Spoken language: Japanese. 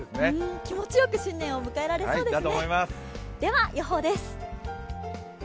気持ちよく新年を迎えられそうですよね。